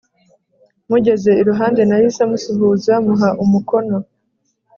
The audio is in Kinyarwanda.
Mugeze iruhande nahise musuhuza muha umukono